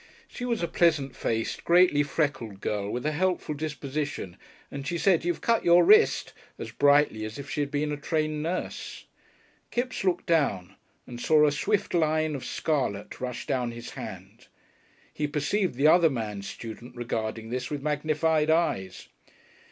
She was a pleasant faced, greatly freckled girl, with a helpful disposition, and she said "You've cut your wrist," as brightly as if she had been a trained nurse. Kipps looked down, and saw a swift line of scarlet rush down his hand. He perceived the other man student regarding this with magnified eyes.